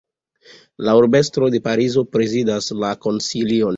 La urbestro de Parizo prezidas la konsilion.